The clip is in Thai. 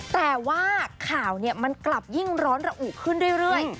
แต่ว่าข่าวมันกลับยิ่งร้อนระอุขึ้นเรื่อย